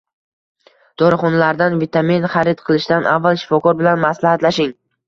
Dorixonalardan vitamin xarid qilishdan avval shifokor bilan maslahatlashing